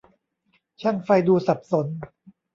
ช่างไฟดูสับสน